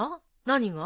何が？